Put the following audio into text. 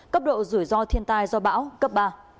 cấp độ rủi ro thiên tai do bão cấp ba